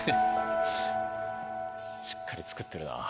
しっかり作ってるな。